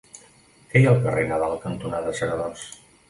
Què hi ha al carrer Nadal cantonada Segadors?